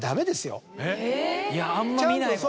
いやあんま見ないわ。